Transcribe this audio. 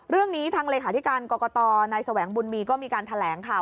เรื่องนี้ทางเลขาธิการกรกตนายแสวงบุญมีก็มีการแถลงข่าว